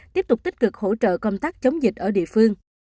tiếp tục tích cực hỗ trợ công tác chống dịch ở địa phương